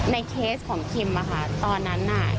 ในเคสของคิมค่ะตอนนั้น